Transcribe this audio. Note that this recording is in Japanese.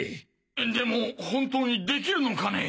でも本当にできるのかね？